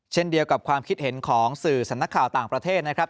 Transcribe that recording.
เช่นเดียวกับความคิดเห็นของสื่อสำนักข่าวต่างประเทศนะครับ